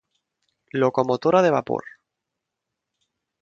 Locomotora de vapor